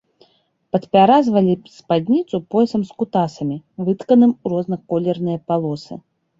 Падпяразвалі спадніцу поясам з кутасамі, вытканым у разнаколерныя палосы.